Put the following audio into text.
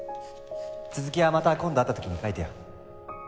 続きはまた今度会った時に描いてよ。